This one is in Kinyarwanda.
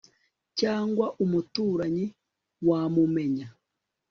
cyangwa umuturanyi wamumenya